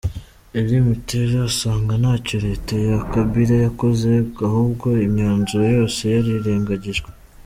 Elie Mutela asanga ntacyo Leta ya Kabila yakoze ahubwo imyanzuro yose yarirengagijwe.